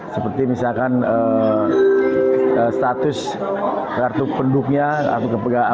seperti misalkan status kartu penduknya atau kepegangannya